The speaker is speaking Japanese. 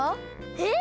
えっ⁉